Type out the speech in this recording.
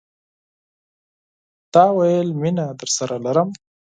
تا ویل، مینه درسره لرم